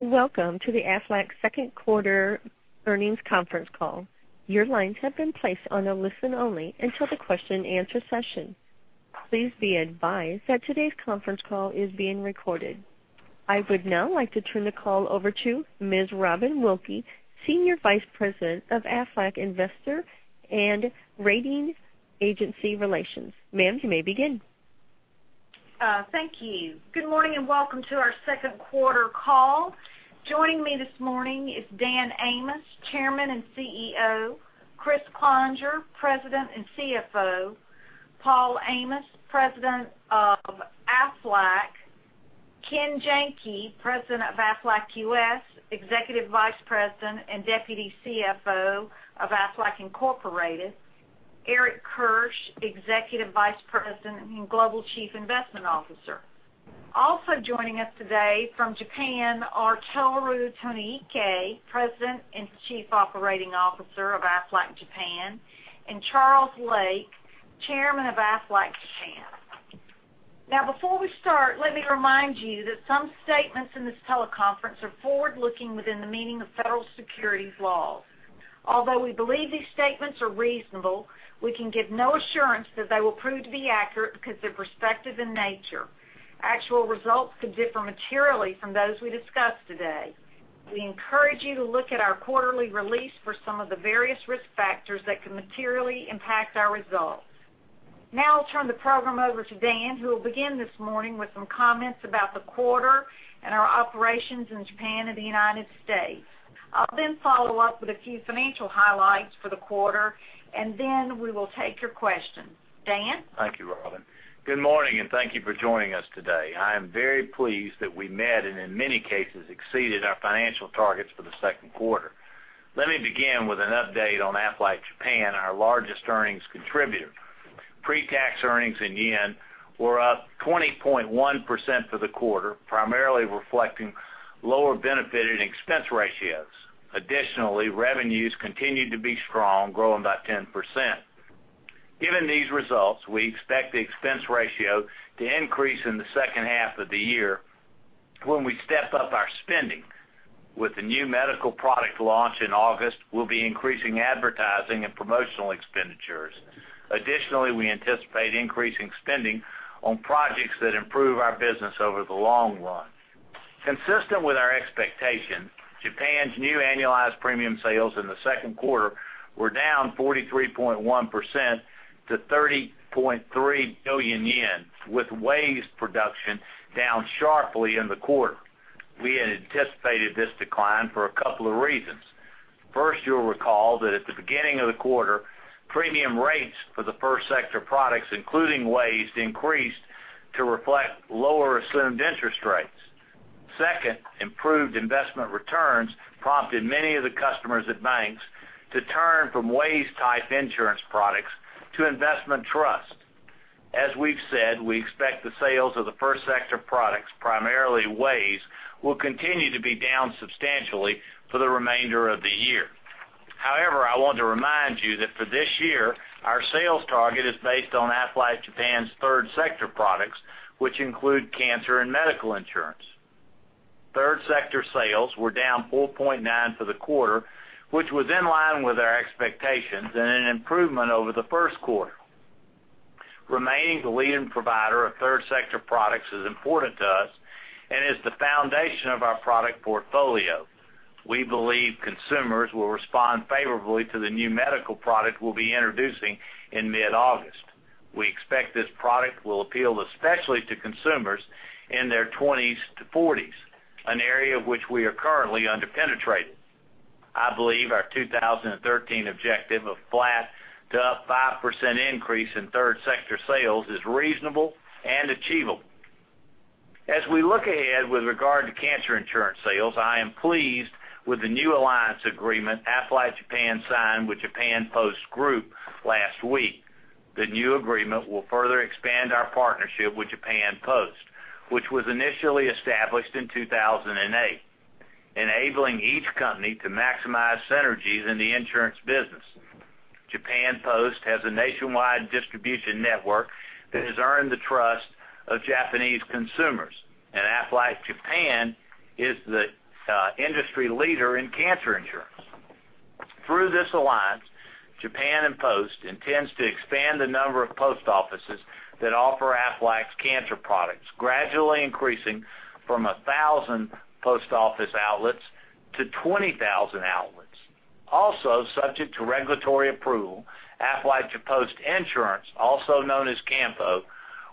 Welcome to the Aflac second quarter earnings conference call. Your lines have been placed on a listen only until the question and answer session. Please be advised that today's conference call is being recorded. I would now like to turn the call over to Ms. Robin Wilkey, Senior Vice President of Aflac Investor and Rating Agency Relations. Ma'am, you may begin. Thank you. Good morning. Welcome to our second quarter call. Joining me this morning is Dan Amos, Chairman and CEO, Kriss Cloninger, President and CFO, Paul Amos, President of Aflac, Ken Janke, President of Aflac U.S., Executive Vice President and Deputy CFO of Aflac Incorporated, Eric Kirsch, Executive Vice President and Global Chief Investment Officer. Also joining us today from Japan are Tohru Tonoike, President and Chief Operating Officer of Aflac Japan, and Charles Lake, Chairman of Aflac Japan. Before we start, let me remind you that some statements in this teleconference are forward-looking within the meaning of federal securities laws. Although we believe these statements are reasonable, we can give no assurance that they will prove to be accurate because they're prospective in nature. Actual results could differ materially from those we discuss today. We encourage you to look at our quarterly release for some of the various risk factors that could materially impact our results. I'll turn the program over to Dan, who will begin this morning with some comments about the quarter and our operations in Japan and the U.S. I'll follow up with a few financial highlights for the quarter. We will take your questions. Dan? Thank you, Robin. Good morning. Thank you for joining us today. I am very pleased that we met and in many cases exceeded our financial targets for the second quarter. Let me begin with an update on Aflac Japan, our largest earnings contributor. Pre-tax earnings in JPY were up 20.1% for the quarter, primarily reflecting lower benefit and expense ratios. Additionally, revenues continued to be strong, growing by 10%. Given these results, we expect the expense ratio to increase in the second half of the year when we step up our spending. With the new medical product launch in August, we'll be increasing advertising and promotional expenditures. Additionally, we anticipate increasing spending on projects that improve our business over the long run. Consistent with our expectation, Japan's new annualized premium sales in the second quarter were down 43.1% to 30.3 billion yen, with WAYS production down sharply in the quarter. We had anticipated this decline for a couple of reasons. First, you'll recall that at the beginning of the quarter, premium rates for the First Sector products, including WAYS, increased to reflect lower assumed interest rates. Second, improved investment returns prompted many of the customers at banks to turn from WAYS-type insurance products to investment trust. As we've said, we expect the sales of the First Sector products, primarily WAYS, will continue to be down substantially for the remainder of the year. However, I want to remind you that for this year, our sales target is based on Aflac Japan's Third Sector products, which include cancer and medical insurance. Third Sector sales were down 4.9% for the quarter, which was in line with our expectations and an improvement over the first quarter. Remaining the leading provider of Third Sector products is important to us and is the foundation of our product portfolio. We believe consumers will respond favorably to the new medical product we'll be introducing in mid-August. We expect this product will appeal especially to consumers in their 20s to 40s, an area which we are currently under-penetrated. I believe our 2013 objective of flat to up 5% increase in Third Sector sales is reasonable and achievable. As we look ahead with regard to cancer insurance sales, I am pleased with the new alliance agreement Aflac Japan signed with Japan Post Group last week. The new agreement will further expand our partnership with Japan Post, which was initially established in 2008, enabling each company to maximize synergies in the insurance business. Japan Post has a nationwide distribution network that has earned the trust of Japanese consumers, and Aflac Japan is the industry leader in cancer insurance. Through this alliance, Japan Post intends to expand the number of post offices that offer Aflac's cancer products, gradually increasing from 1,000 post office outlets to 20,000 outlets. Also, subject to regulatory approval, Aflac Japan Post Insurance, also known as Kampo,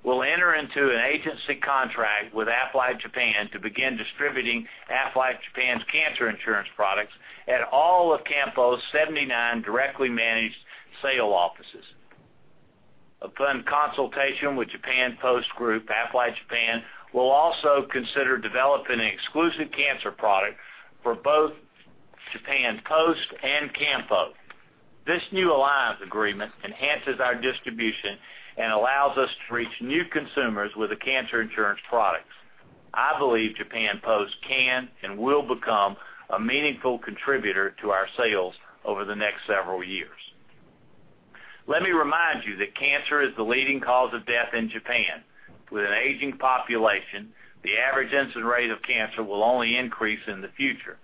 will enter into an agency contract with Aflac Japan to begin distributing Aflac Japan's cancer insurance products at all of Kampo's 79 directly managed sale offices. Upon consultation with Japan Post Group, Aflac Japan will also consider developing an exclusive cancer product for both Japan Post and Kampo. This new alliance agreement enhances our distribution and allows us to reach new consumers with the cancer insurance products. I believe Japan Post can and will become a meaningful contributor to our sales over the next several years. Let me remind you that cancer is the leading cause of death in Japan. With an aging population, the average incident rate of cancer will only increase in the future,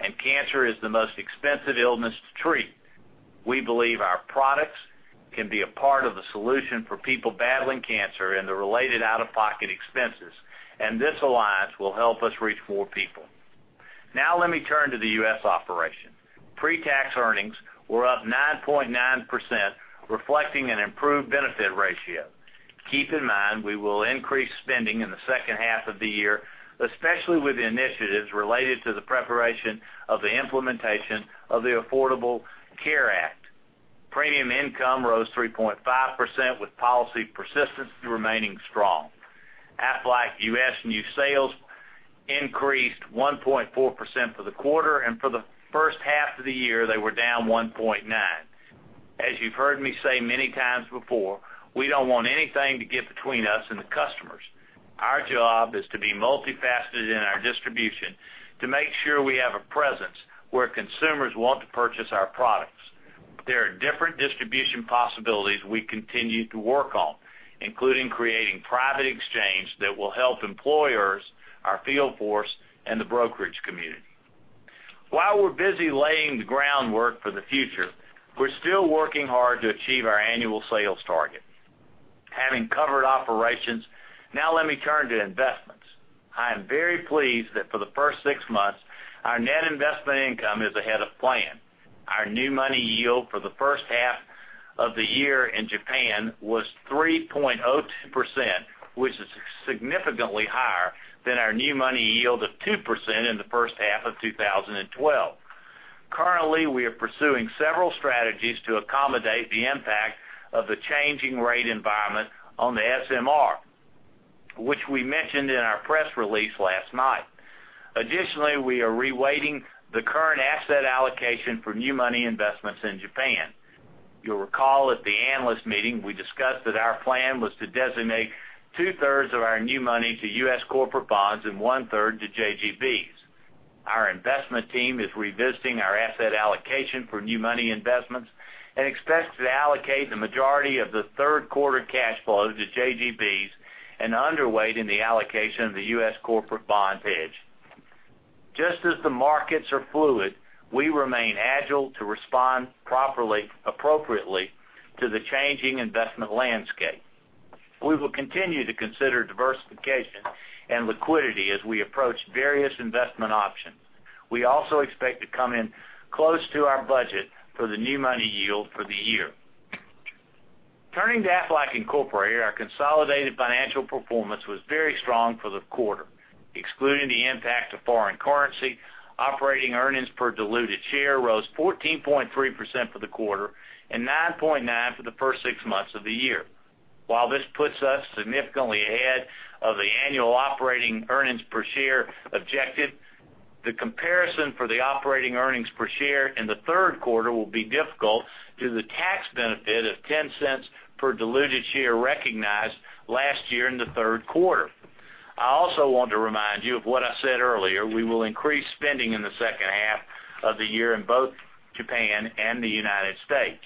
and cancer is the most expensive illness to treat. We believe our products can be a part of the solution for people battling cancer and the related out-of-pocket expenses, and this alliance will help us reach more people. Now let me turn to the U.S. operation. Pre-tax earnings were up 9.9%, reflecting an improved benefit ratio. Keep in mind, we will increase spending in the second half of the year, especially with initiatives related to the preparation of the implementation of the Affordable Care Act. Premium income rose 3.5% with policy persistence remaining strong. Aflac US new sales increased 1.4% for the quarter, and for the first half of the year, they were down 1.9%. As you've heard me say many times before, we don't want anything to get between us and the customers. Our job is to be multifaceted in our distribution to make sure we have a presence where consumers want to purchase our products. There are different distribution possibilities we continue to work on, including creating private exchange that will help employers, our field force, and the brokerage community. While we're busy laying the groundwork for the future, we're still working hard to achieve our annual sales target. Let me turn to investments. I am very pleased that for the first six months, our net investment income is ahead of plan. Our new money yield for the first half of the year in Japan was 3.02%, which is significantly higher than our new money yield of 2% in the first half of 2012. Currently, we are pursuing several strategies to accommodate the impact of the changing rate environment on the SMR, which we mentioned in our press release last night. Additionally, we are reweighting the current asset allocation for new money investments in Japan. You'll recall at the analyst meeting, we discussed that our plan was to designate two-thirds of our new money to U.S. corporate bonds and one-third to JGBs. Our investment team is revisiting our asset allocation for new money investments and expects to allocate the majority of the third quarter cash flow to JGBs and underweight in the allocation of the U.S. corporate bond hedge. Just as the markets are fluid, we remain agile to respond properly, appropriately to the changing investment landscape. We will continue to consider diversification and liquidity as we approach various investment options. We also expect to come in close to our budget for the new money yield for the year. Turning to Aflac Incorporated, our consolidated financial performance was very strong for the quarter. Excluding the impact of foreign currency, operating earnings per diluted share rose 14.3% for the quarter and 9.9% for the first six months of the year. While this puts us significantly ahead of the annual operating earnings per share objective, the comparison for the operating earnings per share in the third quarter will be difficult due to the tax benefit of 0.10 per diluted share recognized last year in the third quarter. I also want to remind you of what I said earlier, we will increase spending in the second half of the year in both Japan and the United States.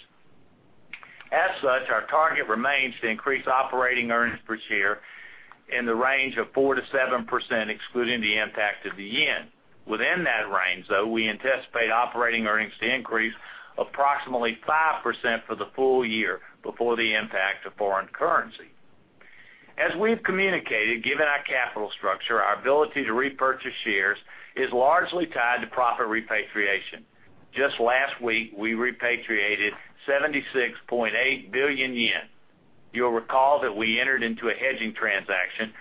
Our target remains to increase operating earnings per share in the range of 4%-7%, excluding the impact of the yen. Within that range, though, we anticipate operating earnings to increase approximately 5% for the full year before the impact of foreign currency. We've communicated, given our capital structure, our ability to repurchase shares is largely tied to profit repatriation. Just last week, we repatriated 76.8 billion yen. You'll recall that we entered into a hedging transaction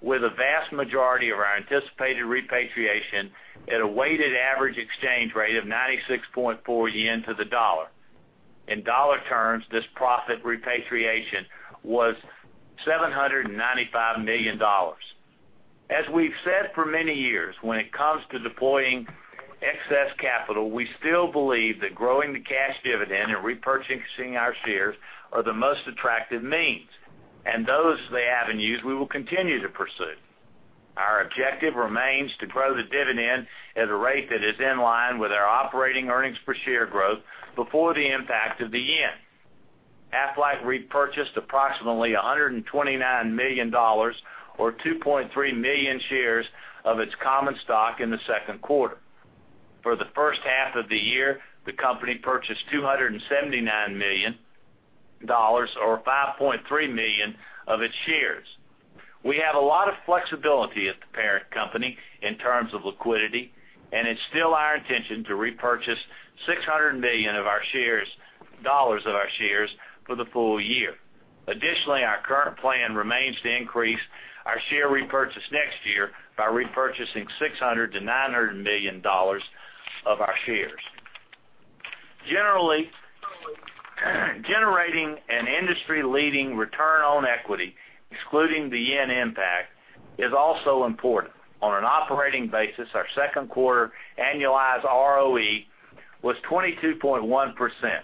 with a vast majority of our anticipated repatriation at a weighted average exchange rate of 96.4 yen to the dollar. In dollar terms, this profit repatriation was $795 million. As we've said for many years, when it comes to deploying excess capital, we still believe that growing the cash dividend and repurchasing our shares are the most attractive means. Those are the avenues we will continue to pursue. Our objective remains to grow the dividend at a rate that is in line with our operating earnings per share growth before the impact of the JPY. Aflac repurchased approximately $129 million or 2.3 million shares of its common stock in the second quarter. For the first half of the year, the company purchased $279 million or 5.3 million of its shares. We have a lot of flexibility at the parent company in terms of liquidity. It's still our intention to repurchase $600 million of our shares for the full year. Additionally, our current plan remains to increase our share repurchase next year by repurchasing $600 million-$900 million of our shares. Generating an industry-leading return on equity, excluding the JPY impact, is also important. On an operating basis, our second quarter annualized ROE was 22.1%.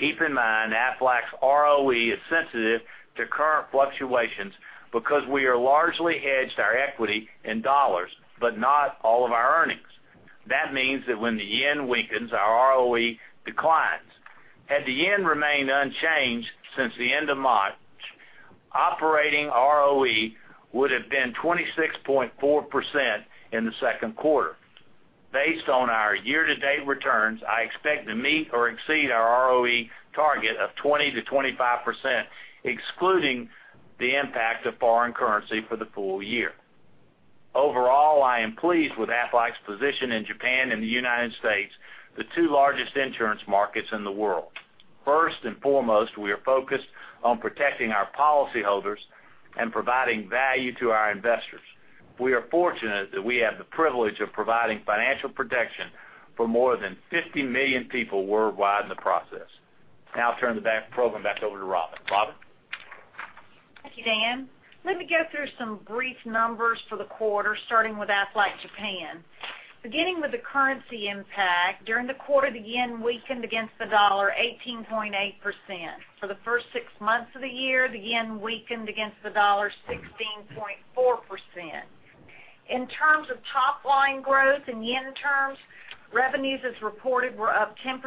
Keep in mind, Aflac's ROE is sensitive to current fluctuations because we are largely hedged our equity in dollars, but not all of our earnings. That means that when the JPY weakens, our ROE declines. Had the JPY remained unchanged since the end of March, operating ROE would have been 26.4% in the second quarter. Based on our year-to-date returns, I expect to meet or exceed our ROE target of 20%-25%, excluding the impact of foreign currency for the full year. Overall, I am pleased with Aflac's position in Japan and the U.S., the two largest insurance markets in the world. First and foremost, we are focused on protecting our policyholders and providing value to our investors. We are fortunate that we have the privilege of providing financial protection for more than 50 million people worldwide in the process. I'll turn the program back over to Robin. Robin? Thank you, Dan. Let me go through some brief numbers for the quarter, starting with Aflac Japan. Beginning with the currency impact, during the quarter, the JPY weakened against the dollar 18.8%. For the first six months of the year, the JPY weakened against the dollar 16.4%. In terms of top-line growth in JPY terms, revenues as reported were up 10%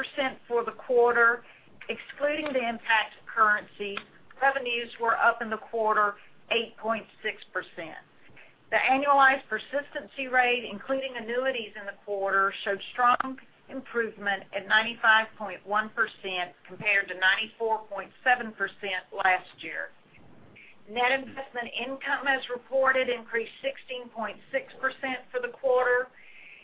for the quarter. Excluding the impact of currency, revenues were up in the quarter 8.6%. The annualized persistency rate, including annuities in the quarter, showed strong improvement at 95.1%, compared to 94.7% last year. Net investment income as reported increased 16.6% for the quarter.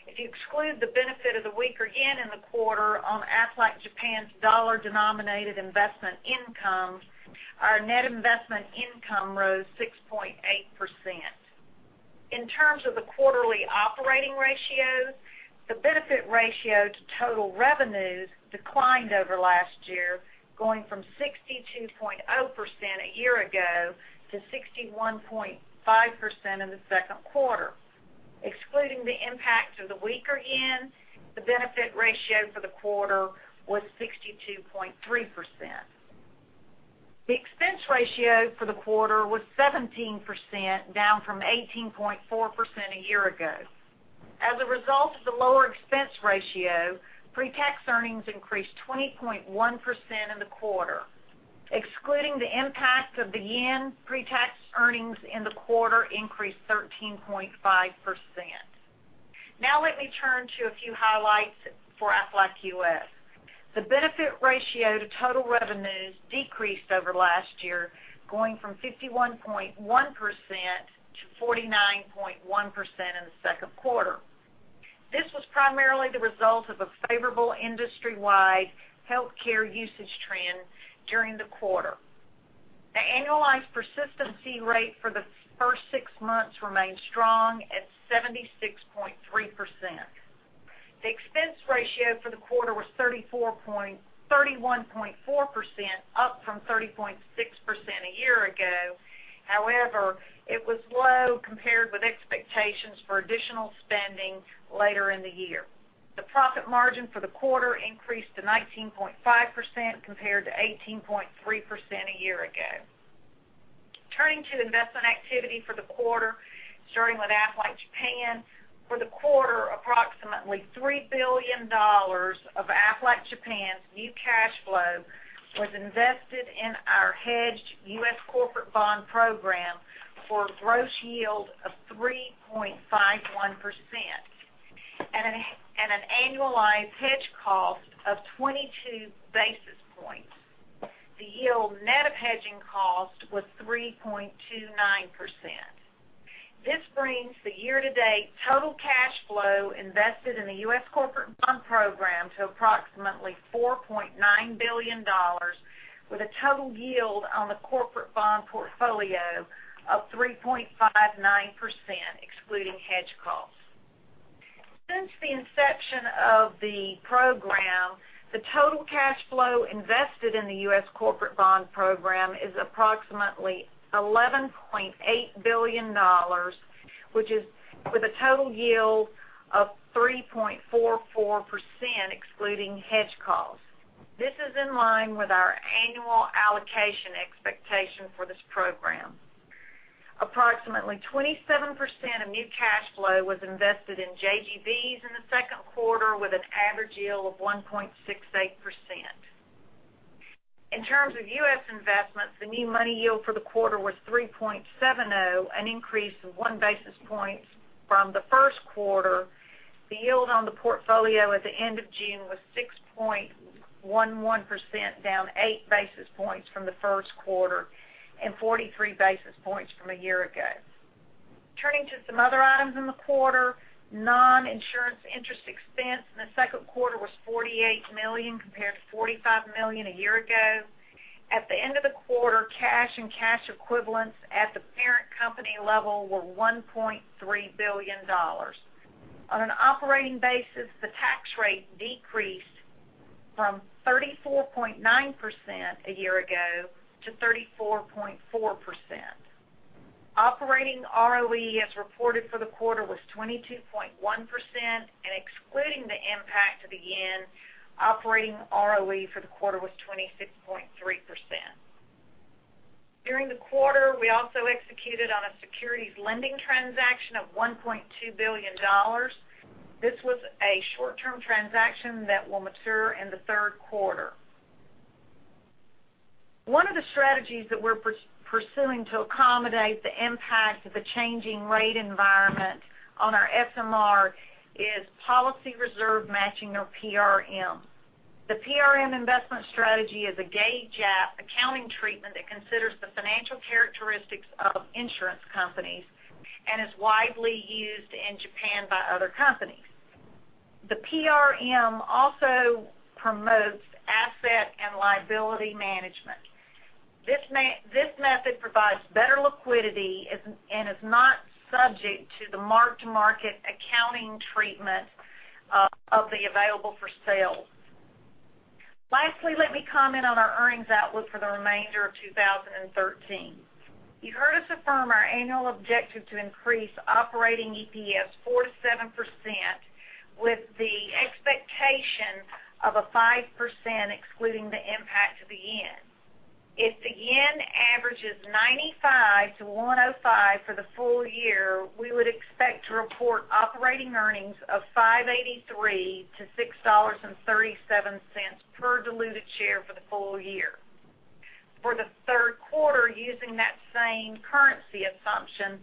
If you exclude the benefit of the weaker JPY in the quarter on Aflac Japan's dollar-denominated investment income, our net investment income rose 6.8%. In terms of the quarterly operating ratios, the benefit ratio to total revenues declined over last year, going from 62.0% a year ago to 61.5% in the second quarter. Excluding the impact of the weaker yen, the benefit ratio for the quarter was 62.3%. The expense ratio for the quarter was 17%, down from 18.4% a year ago. As a result of the lower expense ratio, pre-tax earnings increased 20.1% in the quarter. Excluding the impact of the yen, pre-tax earnings in the quarter increased 13.5%. Now let me turn to a few highlights for Aflac US. The benefit ratio to total revenues decreased over last year, going from 51.1% to 49.1% in the second quarter. This was primarily the result of a favorable industry-wide healthcare usage trend during the quarter. The annualized persistency rate for the first six months remained strong at 76.3%. The expense ratio for the quarter was 31.4%, up from 30.6% a year ago. However, it was low compared with expectations for additional spending later in the year. The profit margin for the quarter increased to 19.5%, compared to 18.3% a year ago. Turning to investment activity for the quarter, starting with Aflac Japan. For the quarter, approximately $3 billion of Aflac Japan's new cash flow was invested in our hedged U.S. corporate bond program for a gross yield of 3.51% and an annualized hedge cost of 22 basis points. The yield net of hedging cost was 3.29%. This brings the year-to-date total cash flow invested in the U.S. corporate bond program to approximately $4.9 billion, with a total yield on the corporate bond portfolio of 3.59%, excluding hedge costs. Since the inception of the program, the total cash flow invested in the U.S. corporate bond program is approximately $11.8 billion, with a total yield of 3.44%, excluding hedge costs. This is in line with our annual allocation expectation for this program. Approximately 27% of new cash flow was invested in JGBs in the second quarter, with an average yield of 1.68%. In terms of U.S. investments, the new money yield for the quarter was 3.70, an increase of one basis point from the first quarter. The yield on the portfolio at the end of June was 6.11%, down eight basis points from the first quarter and 43 basis points from a year ago. Turning to some other items in the quarter, non-insurance interest expense in the second quarter was $48 million, compared to $45 million a year ago. At the end of the quarter, cash and cash equivalents at the parent company level were $1.3 billion. On an operating basis, the tax rate decreased from 34.9% a year ago to 34.4%. Operating ROE as reported for the quarter was 22.1%, and excluding the impact of the yen, operating ROE for the quarter was 26.3%. During the quarter, we also executed on a securities lending transaction of $1.2 billion. This was a short-term transaction that will mature in the third quarter. One of the strategies that we're pursuing to accommodate the impact of the changing rate environment on our SMR is policy reserve matching or PRM. The PRM investment strategy is a GAAP accounting treatment that considers the financial characteristics of insurance companies and is widely used in Japan by other companies. The PRM also promotes asset and liability management. This method provides better liquidity and is not subject to the mark-to-market accounting treatment of the available for sale. Lastly, let me comment on our earnings outlook for the remainder of 2013. You heard us affirm our annual objective to increase operating EPS 4%-7% with the expectation of a 5% excluding the impact of the yen. If the yen averages 95 to 105 for the full year, we would expect to report operating earnings of $5.83-$6.37 per diluted share for the full year. For the third quarter, using that same currency assumption,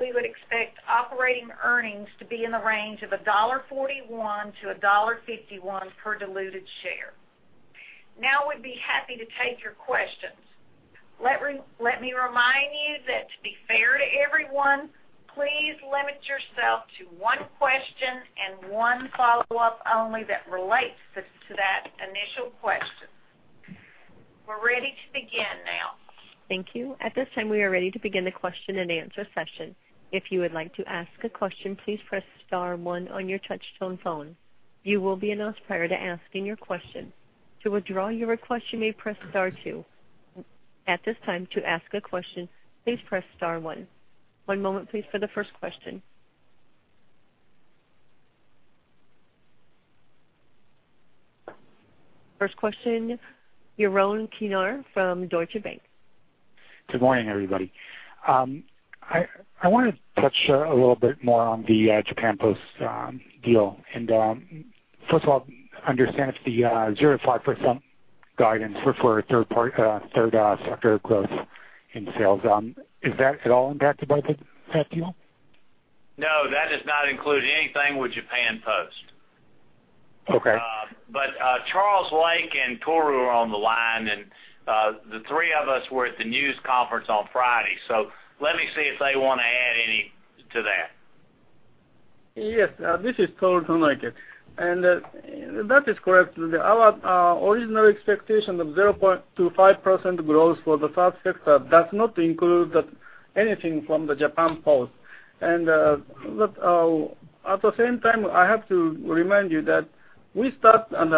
we would expect operating earnings to be in the range of $1.41-$1.51 per diluted share. We'd be happy to take your questions. Let me remind you that to be fair to everyone, please limit yourself to one question and one follow-up only that relates to that initial question. We're ready to begin now. Thank you. At this time, we are ready to begin the question and answer session. If you would like to ask a question, please press star one on your touchtone phone. You will be announced prior to asking your question. To withdraw your request, you may press star two. At this time, to ask a question, please press star one. One moment please for the first question. First question, Jeroen Kinner from Deutsche Bank. Good morning, everybody. I want to touch a little bit more on the Japan Post deal, first of all, understand if the 0.5% guidance for Third Sector growth in sales, is that at all impacted by that deal? No, that does not include anything with Japan Post. Okay. Charles Lake and Tohru are on the line, and the three of us were at the news conference on Friday. Let me see if they want to add any to that. Yes. This is Tohru Tonoike. That is correct. Our original expectation of 0.25% growth for the Third Sector does not include anything from the Japan Post. At the same time, I have to remind you that we start an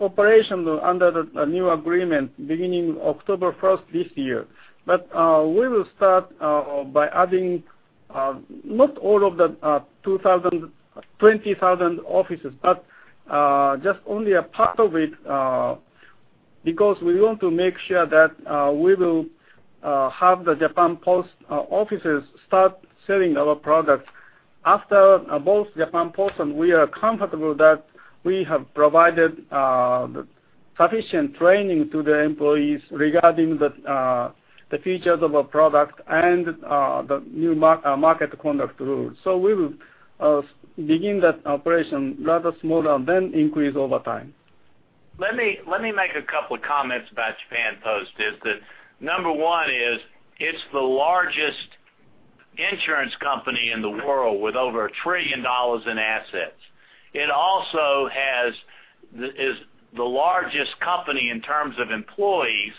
operation under the new agreement beginning October 1st this year. We will start by adding not all of the 20,000 offices, but just only a part of it because we want to make sure that we will have the Japan Post offices start selling our products after both Japan Post and we are comfortable that we have provided sufficient training to the employees regarding the features of our product and the new market conduct rules. We will begin that operation rather small and then increase over time. Let me make a couple comments about Japan Post is that number 1 is it's the largest insurance company in the world with over $1 trillion in assets. It also is the largest company in terms of employees.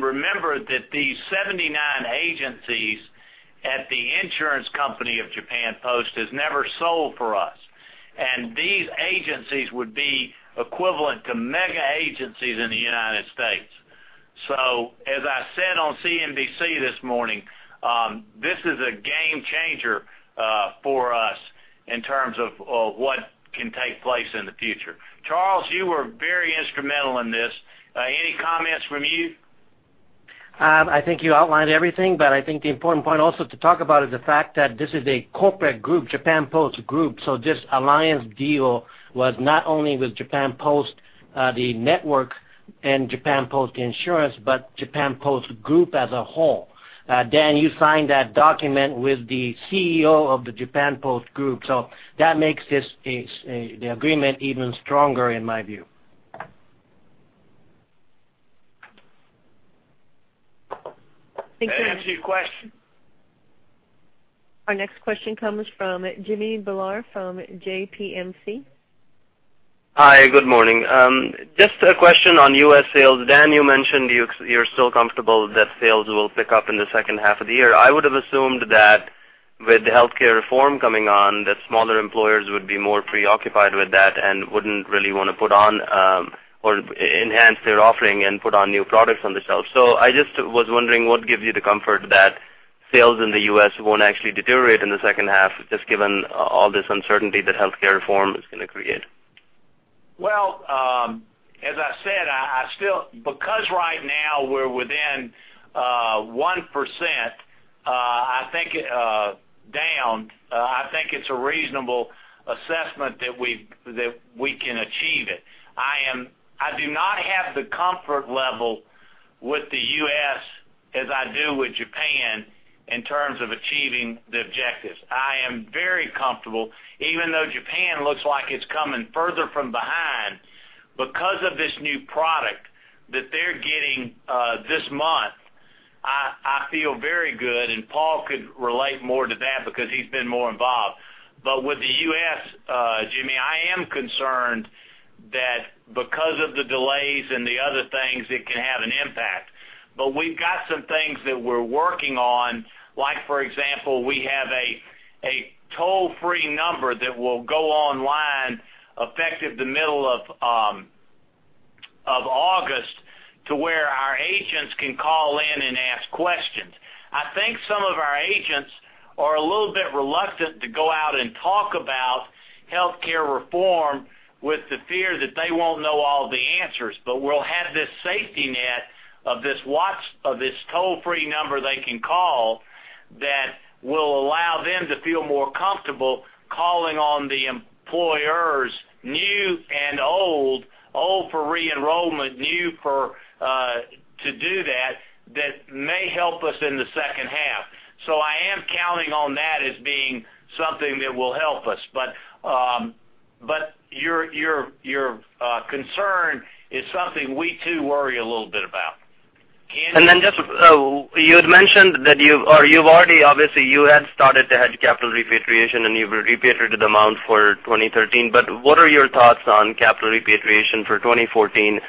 Remember that these 79 agencies at the insurance company of Japan Post has never sold for us. These agencies would be equivalent to mega agencies in the U.S. As I said on CNBC this morning, this is a game changer for us in terms of what can take place in the future. Charles, you were very instrumental in this. Any comments from you? I think you outlined everything, but I think the important point also to talk about is the fact that this is a corporate group, Japan Post Group. This alliance deal was not only with Japan Post, the network, and Japan Post Insurance, but Japan Post Group as a whole. Dan, you signed that document with the CEO of the Japan Post Group, so that makes the agreement even stronger in my view. Thank you. Does that answer your question? Our next question comes from Jimmy Bhullar from JPMorgan. Hi, good morning. Just a question on U.S. sales. Dan, you mentioned you're still comfortable that sales will pick up in the second half of the year. I would have assumed that with the healthcare reform coming on, that smaller employers would be more preoccupied with that and wouldn't really want to put on or enhance their offering and put on new products on the shelf. I just was wondering what gives you the comfort that sales in the U.S. won't actually deteriorate in the second half, just given all this uncertainty that healthcare reform is going to create? As I said, because right now we're within 1% down, I think it's a reasonable assessment that we can achieve it. I do not have the comfort level with the U.S. as I do with Japan in terms of achieving the objectives. I am very comfortable, even though Japan looks like it's coming further from behind. This new product that they're getting this month, I feel very good, and Paul could relate more to that because he's been more involved. With the U.S., Jimmy, I am concerned that because of the delays and the other things, it can have an impact. We've got some things that we're working on. For example, we have a toll-free number that will go online effective the middle of August to where our agents can call in and ask questions. I think some of our agents are a little bit reluctant to go out and talk about healthcare reform with the fear that they won't know all the answers. We'll have this safety net of this toll-free number they can call that will allow them to feel more comfortable calling on the employers, new and old for re-enrollment, new to do that may help us in the second half. I am counting on that as being something that will help us. Your concern is something we, too, worry a little bit about. You had mentioned that you've already, you had started to hedge capital repatriation, and you've repatriated the amount for 2013. What are your thoughts on capital repatriation for 2014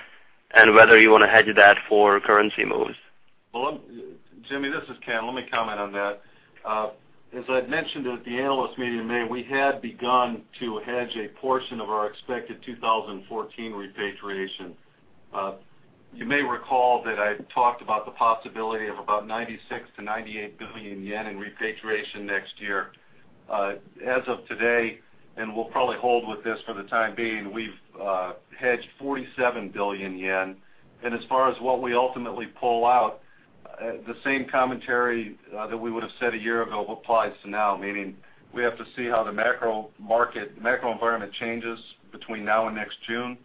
and whether you want to hedge that for currency moves? Well, Jimmy, this is Ken. Let me comment on that. As I'd mentioned at the analyst meeting in May, we had begun to hedge a portion of our expected 2014 repatriation. You may recall that I talked about the possibility of about 96 billion to 98 billion yen in repatriation next year. As of today, we'll probably hold with this for the time being, we've hedged 47 billion yen. As far as what we ultimately pull out, the same commentary that we would've said a year ago applies to now, meaning we have to see how the macro environment changes between now and next June.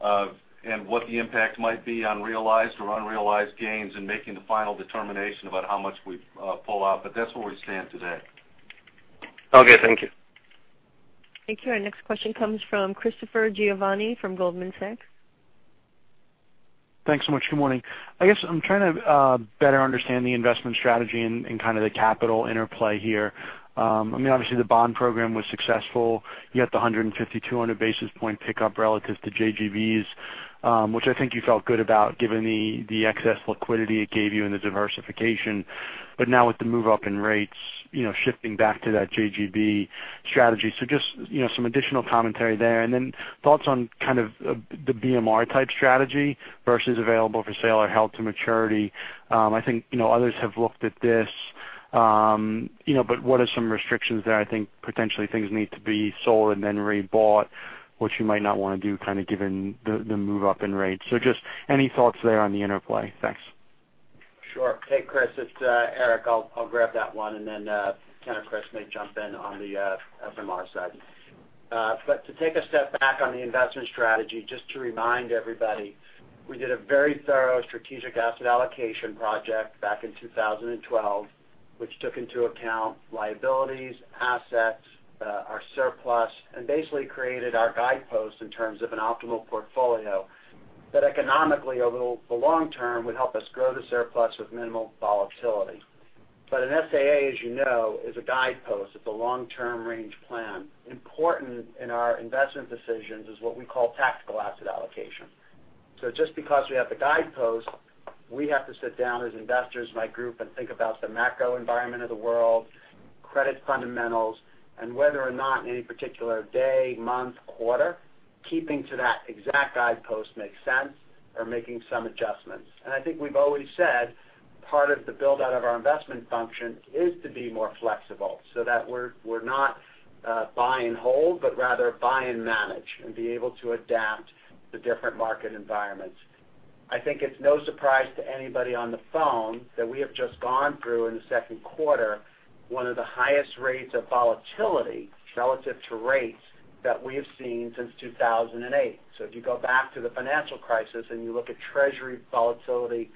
What the impact might be on realized or unrealized gains in making the final determination about how much we pull out. That's where we stand today. Okay, thank you. Thank you. Our next question comes from Christopher Giovanni from Goldman Sachs. Thanks so much. Good morning. I guess I'm trying to better understand the investment strategy and kind of the capital interplay here. Obviously, the bond program was successful. You got the 150, 200 basis point pickup relative to JGBs, which I think you felt good about given the excess liquidity it gave you and the diversification. Now with the move-up in rates, shifting back to that JGB strategy. Just some additional commentary there. Then thoughts on kind of the BMR type strategy versus available for sale or held to maturity. I think others have looked at this. What are some restrictions there? I think potentially things need to be sold and then re-bought, which you might not want to do kind of given the move-up in rates. Just any thoughts there on the interplay? Thanks. Sure. Hey, Chris, it's Eric. I'll grab that one, and then Ken or Kriss may jump in on the SMR side. To take a step back on the investment strategy, just to remind everybody, we did a very thorough strategic asset allocation project back in 2012, which took into account liabilities, assets, our surplus, and basically created our guidepost in terms of an optimal portfolio that economically, over the long term, would help us grow the surplus with minimal volatility. An SAA, as you know, is a guidepost. It's a long-term range plan. Important in our investment decisions is what we call tactical asset allocation. Just because we have the guidepost, we have to sit down as investors, my group, and think about the macro environment of the world, credit fundamentals, and whether or not any particular day, month, quarter, keeping to that exact guidepost makes sense or making some adjustments. I think we've always said part of the build-out of our investment function is to be more flexible so that we're not buy and hold, but rather buy and manage and be able to adapt to different market environments. I think it's no surprise to anybody on the phone that we have just gone through in the second quarter, one of the highest rates of volatility relative to rates that we have seen since 2008. If you go back to the financial crisis and you look at Treasury volatility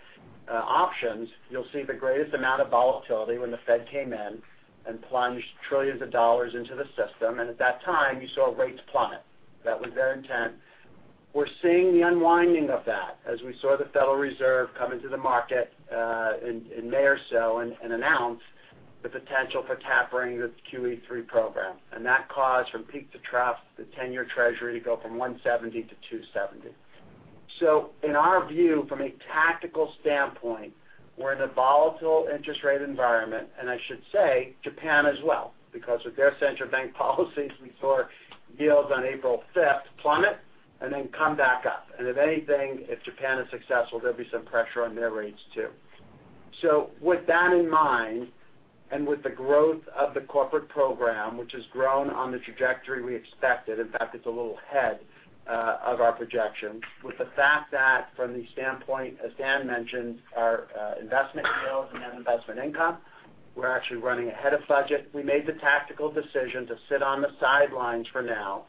options, you'll see the greatest amount of volatility when the Fed came in and plunged trillions of dollars into the system. At that time, you saw rates plummet. That was very intense. We're seeing the unwinding of that as we saw the Federal Reserve come into the market in May or so and announce the potential for tapering the QE3 program. That caused from peak to trough, the 10-year Treasury to go from 170 to 270. In our view, from a tactical standpoint, we're in a volatile interest rate environment, and I should say Japan as well, because with their central bank policies, we saw yields on April 5th plummet and then come back up. If anything, if Japan is successful, there'll be some pressure on their rates, too. With that in mind, and with the growth of the corporate program, which has grown on the trajectory we expected, in fact, it's a little ahead of our projections. With the fact that from the standpoint, as Dan mentioned, our investment yields and investment income, we're actually running ahead of budget. We made the tactical decision to sit on the sidelines for now,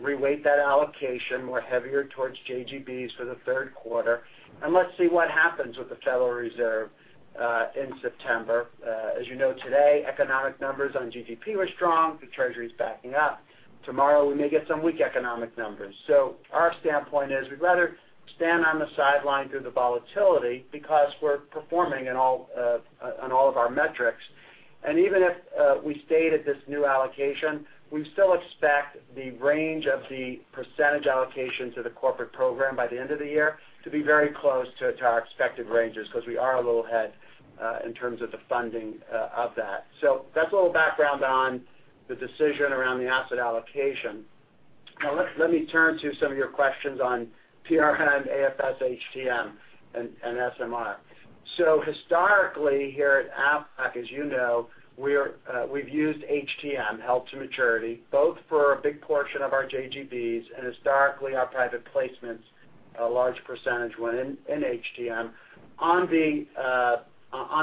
re-weight that allocation more heavier towards JGBs for the third quarter, and let's see what happens with the Federal Reserve in September. As you know today, economic numbers on GDP were strong. The Treasury's backing up. Tomorrow we may get some weak economic numbers. Our standpoint is we'd rather stand on the sideline through the volatility because we're performing on all of our metrics. Even if we stayed at this new allocation, we still expect the range of the % allocation to the corporate program by the end of the year to be very close to our expected ranges, because we are a little ahead in terms of the funding of that. That's a little background on the decision around the asset allocation. Now, let me turn to some of your questions on PRM, AFS, HTM, and SMR. Historically, here at Aflac, as you know, we've used HTM, held to maturity, both for a big portion of our JGBs and historically our private placements, a large % went in HTM. On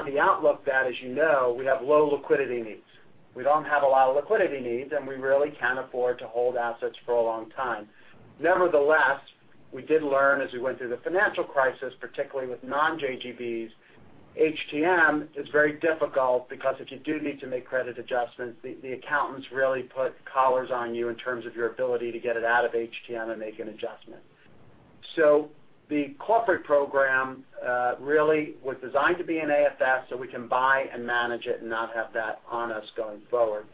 the outlook that, as you know, we have low liquidity needs. We don't have a lot of liquidity needs, and we really can't afford to hold assets for a long time. Nevertheless, we did learn as we went through the financial crisis, particularly with non-JGBs, HTM is very difficult because if you do need to make credit adjustments, the accountants really put collars on you in terms of your ability to get it out of HTM and make an adjustment. The corporate program really was designed to be an AFS, so we can buy and manage it and not have that on us going forward.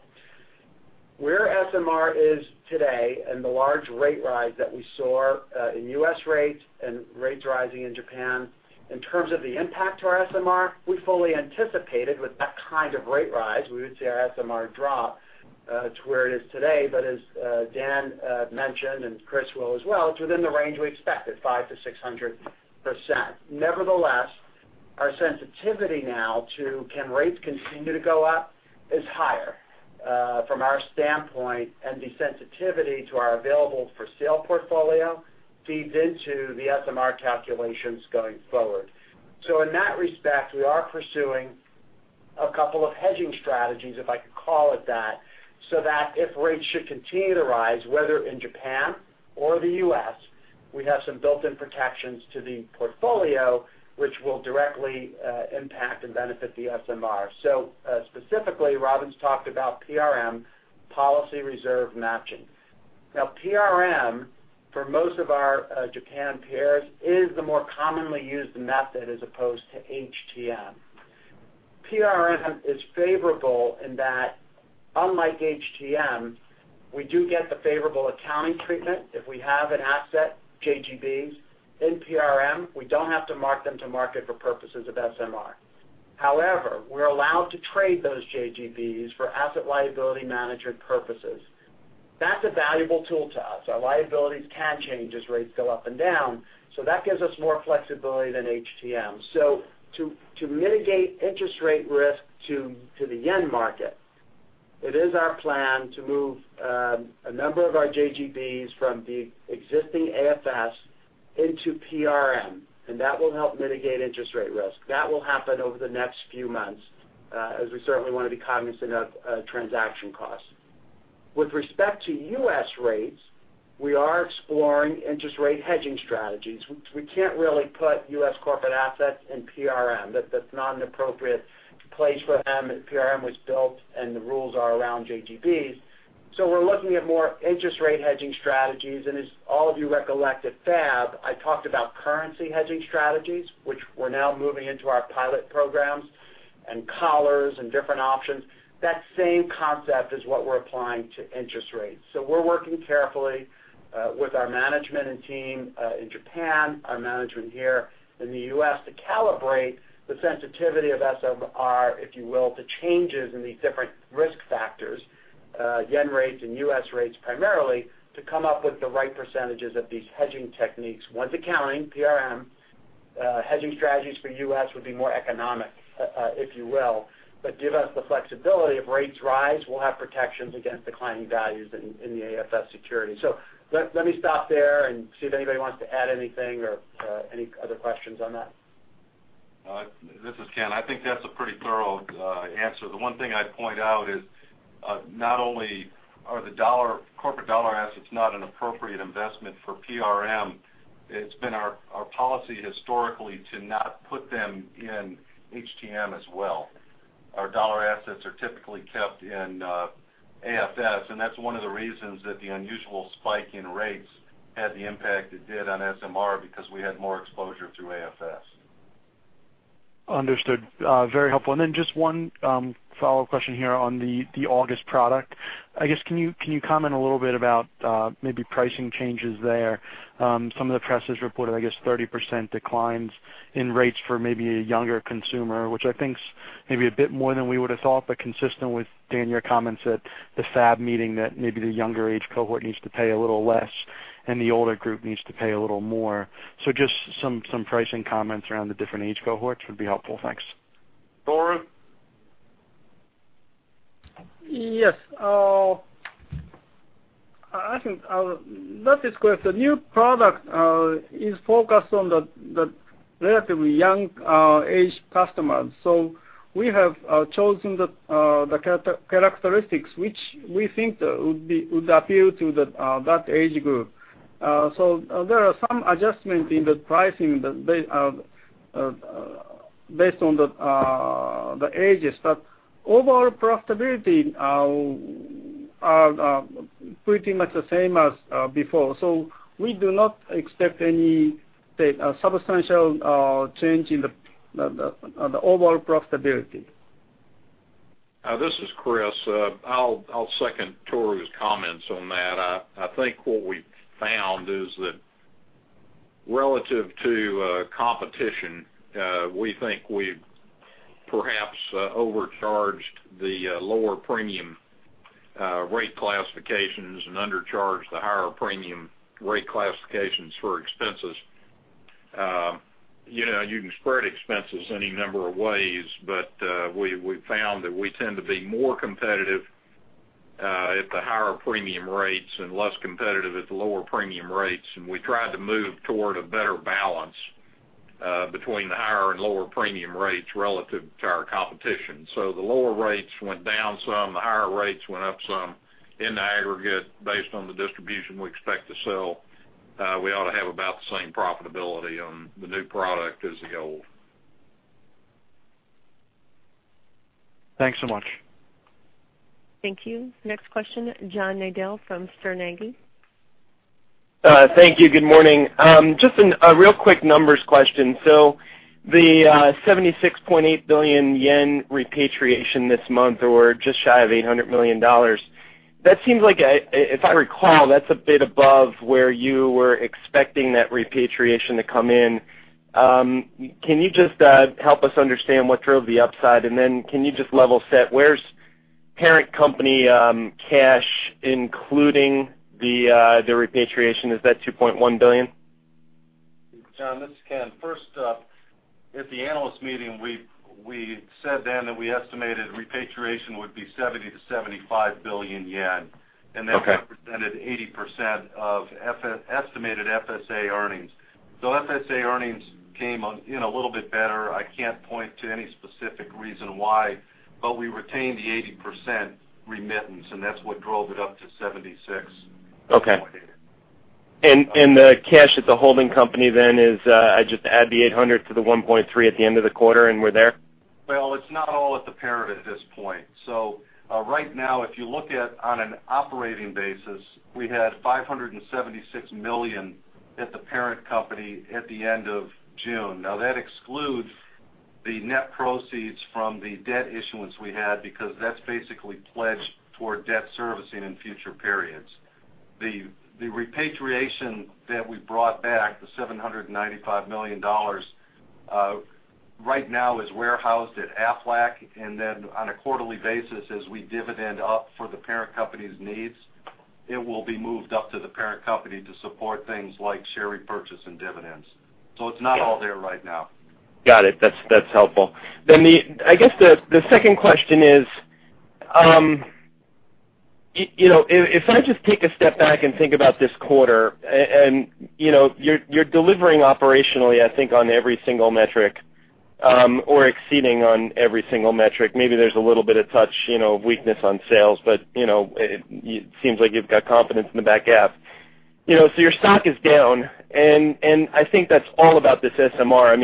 Where SMR is today and the large rate rise that we saw in U.S. rates and rates rising in Japan, in terms of the impact to our SMR, we fully anticipated with that kind of rate rise, we would see our SMR drop to where it is today. As Dan mentioned, and Kriss will as well, it's within the range we expected, 500%-600%. Nevertheless, our sensitivity now to can rates continue to go up is higher from our standpoint, and the sensitivity to our available for sale portfolio feeds into the SMR calculations going forward. In that respect, we are pursuing a couple of hedging strategies, if I could call it that, so that if rates should continue to rise, whether in Japan or the U.S., we have some built-in protections to the portfolio, which will directly impact and benefit the SMR. Specifically, Robin talked about PRM, policy reserve matching. PRM, for most of our Japan peers, is the more commonly used method as opposed to HTM. PRM is favorable in that unlike HTM, we do get the favorable accounting treatment if we have an asset, JGBs in PRM. We don't have to mark them to market for purposes of SMR. However, we're allowed to trade those JGBs for asset liability management purposes. That's a valuable tool to us. Our liabilities can change as rates go up and down. That gives us more flexibility than HTM. To mitigate interest rate risk to the yen market, it is our plan to move a number of our JGBs from the existing AFS into PRM, and that will help mitigate interest rate risk. That will happen over the next few months, as we certainly want to be cognizant of transaction costs. With respect to U.S. rates, we are exploring interest rate hedging strategies. We can't really put U.S. corporate assets in PRM. That's not an appropriate place for them. PRM was built and the rules are around JGBs. We're looking at more interest rate hedging strategies. As all of you recollect at FAB, I talked about currency hedging strategies, which we're now moving into our pilot programs, and collars and different options. That same concept is what we're applying to interest rates. We're working carefully with our management and team in Japan, our management here in the U.S., to calibrate the sensitivity of SMR, if you will, to changes in these different risk factors, yen rates and U.S. rates primarily, to come up with the right percentages of these hedging techniques. One's accounting, PRM. Hedging strategies for U.S. would be more economic, if you will. Give us the flexibility. If rates rise, we'll have protections against declining values in the AFS security. Let me stop there and see if anybody wants to add anything or any other questions on that. This is Ken. I think that's a pretty thorough answer. The one thing I'd point out is not only are the corporate dollar assets not an appropriate investment for PRM, it's been our policy historically to not put them in HTM as well. Our dollar assets are typically kept in AFS, and that's one of the reasons that the unusual spike in rates had the impact it did on SMR, because we had more exposure through AFS. Understood. Very helpful. Then just one follow-up question here on the August product. I guess, can you comment a little bit about maybe pricing changes there? Some of the press has reported, I guess, 30% declines in rates for maybe a younger consumer, which I think's maybe a bit more than we would have thought, but consistent with, Dan, your comments at the FAB meeting that maybe the younger age cohort needs to pay a little less, and the older group needs to pay a little more. Just some pricing comments around the different age cohorts would be helpful. Thanks. Tohru? Yes. I think that is correct. The new product is focused on the relatively young age customers. We have chosen the characteristics which we think would appeal to that age group. There are some adjustments in the pricing based on the ages, but overall profitability are pretty much the same as before. We do not expect any substantial change in the overall profitability. This is Kriss. I'll second Tohru's comments on that. I think what we found is that relative to competition, we think we perhaps overcharged the lower premium rate classifications and undercharged the higher premium rate classifications for expenses. You can spread expenses any number of ways, but we've found that we tend to be more competitive at the higher premium rates and less competitive at the lower premium rates. We tried to move toward a better balance between the higher and lower premium rates relative to our competition. The lower rates went down some, the higher rates went up some. In the aggregate, based on the distribution we expect to sell, we ought to have about the same profitability on the new product as the old. Thanks so much. Thank you. Next question, John Nadel from Sterne Agee. Thank you. Good morning. Just a real quick numbers question. The 76.8 billion yen repatriation this month, or just shy of $800 million, that seems like, if I recall, that's a bit above where you were expecting that repatriation to come in. Can you just help us understand what drove the upside? Then can you just level set, where's parent company cash, including the repatriation? Is that 2.1 billion? John, this is Ken. First up, at the analyst meeting, we said then that we estimated repatriation would be 70 billion-75 billion yen. Okay That represented 80% of estimated FSA earnings. FSA earnings came in a little bit better. I can't point to any specific reason why, but we retained the 80% remittance, and that's what drove it up to 76.8 billion. Okay. The cash at the holding company then is, I just add the $800 million to the $1.3 billion at the end of the quarter, and we're there? It's not all at the parent at this point. Right now, if you look at on an operating basis, we had $576 million at the parent company at the end of June. That excludes the net proceeds from the debt issuance we had because that's basically pledged toward debt servicing in future periods. The repatriation that we brought back, the $795 million, right now is warehoused at Aflac, then on a quarterly basis, as we dividend up for the parent company's needs, it will be moved up to the parent company to support things like share repurchase and dividends. It's not all there right now. Got it. That's helpful. I guess the second question is, if I just take a step back and think about this quarter, and you're delivering operationally, I think on every single metric or exceeding on every single metric. Maybe there's a little bit of touch, weakness on sales, but it seems like you've got confidence in the back half. Your stock is down, and I think that's all about this SMR.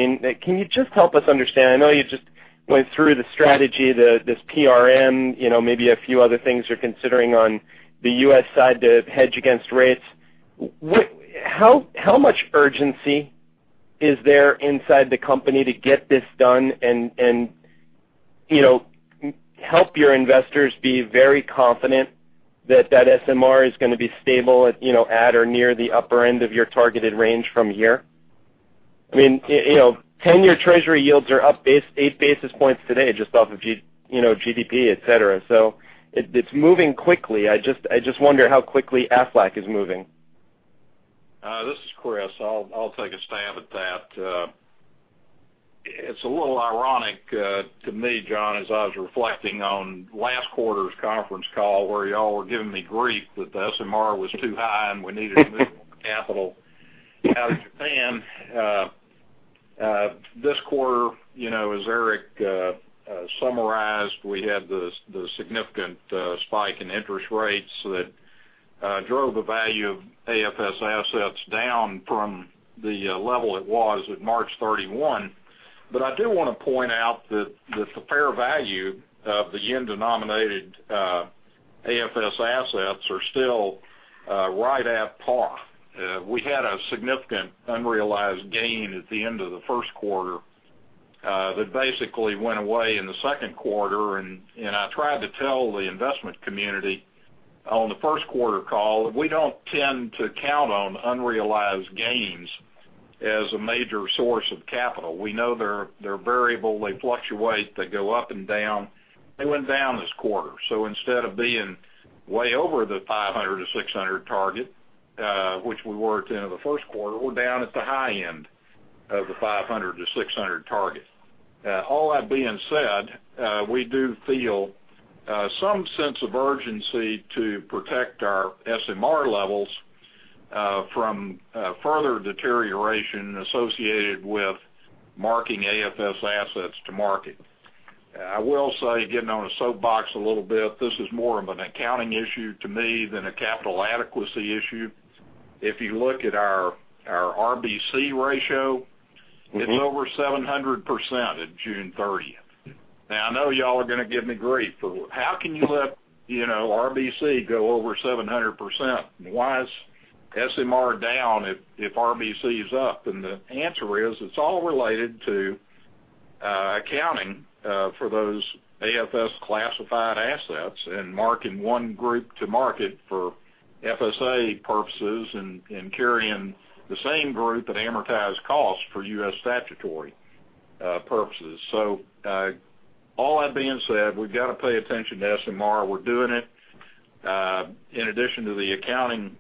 Can you just help us understand? I know you just went through the strategy, this PRM, maybe a few other things you're considering on the U.S. side to hedge against rates. How much urgency is there inside the company to get this done and help your investors be very confident that that SMR is going to be stable at or near the upper end of your targeted range from here? 10-year treasury yields are up eight basis points today just off of GDP, et cetera. It's moving quickly. I just wonder how quickly Aflac is moving. This is Kriss. I'll take a stab at that. It's a little ironic to me, John, as I was reflecting on last quarter's conference call where y'all were giving me grief that the SMR was too high and we needed to move more capital out of Japan. This quarter, as Eric summarized, we had the significant spike in interest rates that drove the value of AFS assets down from the level it was at March 31. I do want to point out that the fair value of the yen-denominated AFS assets are still right at par. We had a significant unrealized gain at the end of the first quarter that basically went away in the second quarter. I tried to tell the investment community on the first quarter call that we don't tend to count on unrealized gains as a major source of capital. We know they're variable, they fluctuate, they go up and down. They went down this quarter. Instead of being way over the 500-600 target, which we were at the end of the first quarter, we're down at the high end of the 500-600 target. All that being said, we do feel some sense of urgency to protect our SMR levels from further deterioration associated with marking AFS assets to market. I will say, getting on a soapbox a little bit, this is more of an accounting issue to me than a capital adequacy issue. If you look at our RBC ratio, it's over 700% at June 30th. I know you all are going to give me grief, how can you let RBC go over 700%? Why is SMR down if RBC is up? The answer is, it's all related to accounting for those AFS classified assets and marking one group to market for FSA purposes and carrying the same group at amortized cost for U.S. statutory purposes. All that being said, we've got to pay attention to SMR. We're doing it in addition to the accounting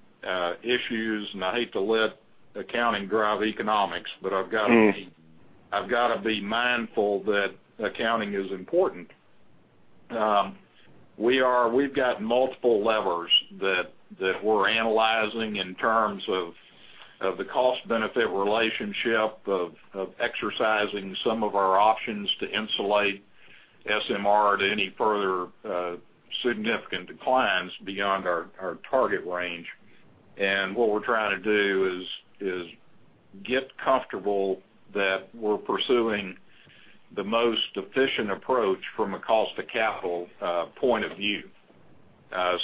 issues, and I hate to let accounting drive economics, but I've got to be mindful that accounting is important. We've got multiple levers that we're analyzing in terms of the cost-benefit relationship of exercising some of our options to insulate SMR to any further significant declines beyond our target range. What we're trying to do is get comfortable that we're pursuing the most efficient approach from a cost to capital point of view.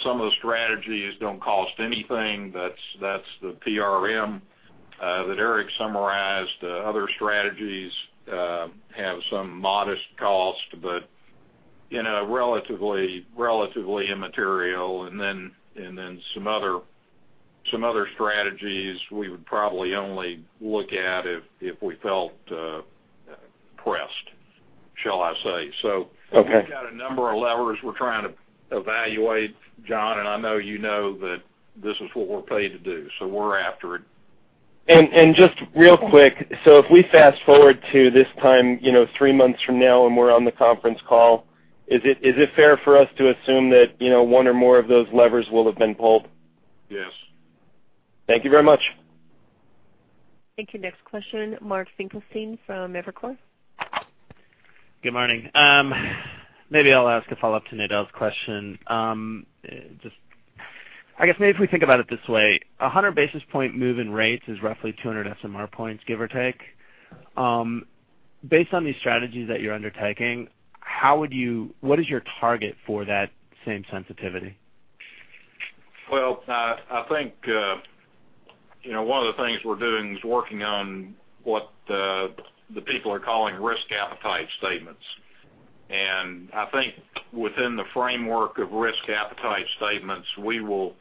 Some of the strategies don't cost anything. That's the PRM that Eric summarized. Other strategies have some modest cost, but relatively immaterial. Then some other strategies we would probably only look at if we felt pressed, shall I say. Okay. We've got a number of levers we're trying to evaluate, John, and I know you know that this is what we're paid to do, so we're after it. Just real quick, if we fast-forward to this time three months from now and we're on the conference call, is it fair for us to assume that one or more of those levers will have been pulled? Yes. Thank you very much. Thank you. Next question, Mark Finkelstein from Evercore. Good morning. Maybe I'll ask a follow-up to Nadel's question. I guess maybe if we think about it this way, a 100 basis point move in rates is roughly 200 SMR points, give or take. Based on these strategies that you're undertaking, what is your target for that same sensitivity? Well, I think one of the things we're doing is working on what the people are calling risk appetite statements. I think within the framework of risk appetite statements, we will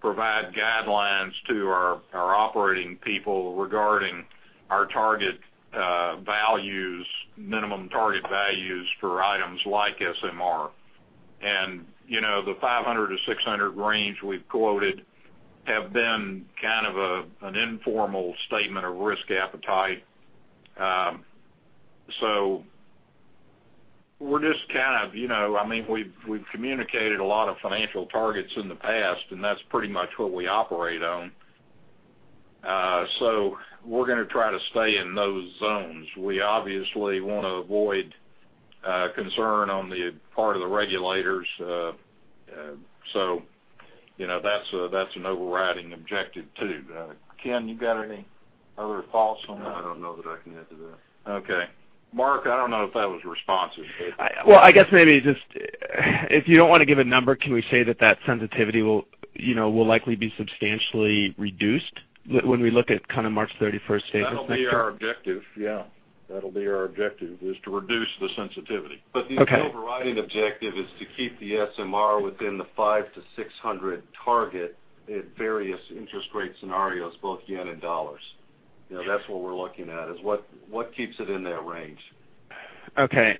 provide guidelines to our operating people regarding our minimum target values for items like SMR. The 500-600 range we've quoted have been kind of an informal statement of risk appetite. We've communicated a lot of financial targets in the past, and that's pretty much what we operate on. We're going to try to stay in those zones. We obviously want to avoid concern on the part of the regulators. That's an overriding objective, too. Ken, you got any other thoughts on that? I don't know that I can add to that. Okay. Mark, I don't know if that was responsive. Well, I guess maybe just if you don't want to give a number, can we say that that sensitivity will likely be substantially reduced when we look at March 31st data next year? That'll be our objective, yeah. That'll be our objective, is to reduce the sensitivity. Okay. The overriding objective is to keep the SMR within the 500-600 target at various interest rate scenarios, both JPY and USD. That's what we're looking at, is what keeps it in that range. Okay.